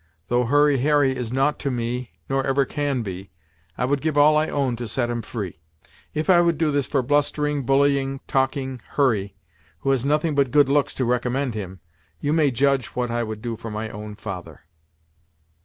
Though Hurry Harry is nought to me nor ever can be, I would give all I own to set him free. If I would do this for blustering, bullying, talking Hurry, who has nothing but good looks to recommend him, you may judge what I would do for my own father."